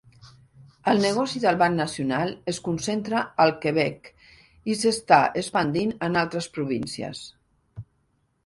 El negoci del Banc Nacional es concentra al Quebec i s'està expandint en altres províncies.